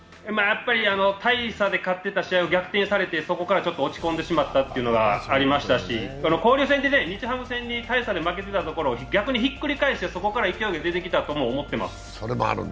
大差で勝ってた試合を逆転されてそこからちょっと落ち込んでしまったというのがありましたし交流戦で日ハム戦に大差で負けていたところを逆にひっくり返して、そこから勢いが出てきたというのもあります。